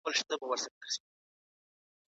هر څوک د سهارنۍ اهمیت اورېدلی دی.